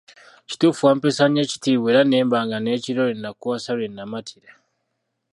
Kituufu wampeesa nnyo ekitiibwa era nemba nga n’ekiro lwe nakuwasa lwe namatira